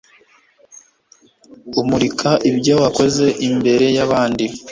umurika ibyo wakoze imbere y'abandi)